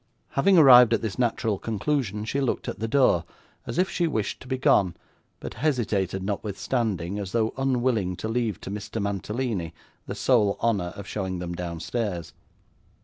Having arrived at this natural conclusion, she looked at the door, as if she wished to be gone, but hesitated notwithstanding, as though unwilling to leave to Mr Mantalini the sole honour of showing them downstairs.